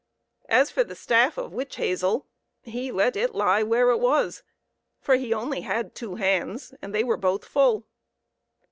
As for the staff of witch hazel, he let it lie where it was, for he only had two hands and they were both full.